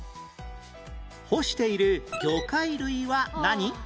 干している魚介類は何？